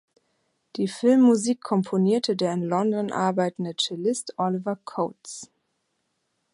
Die Filmmusik komponierte der in London arbeitende Cellist Oliver Coates.